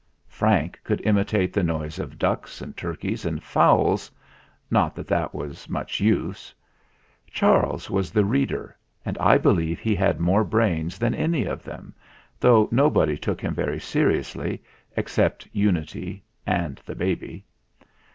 Frank could imitate the noise of ducks and turkeys and fowls not that that was much use. Charles was the reader, and I believe he had more brains than any of them, though nobody took him very seriously except Unity and the baby.